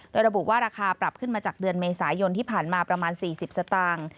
โดยระบุว่าราคาปรับขึ้นมาจากเดือนเมษายนที่ผ่านมาประมาณ๔๐สตางค์